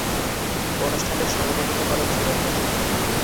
অনুষ্ঠানটির সভাপতিত্ব করেন সুরেন্দ্র সিং।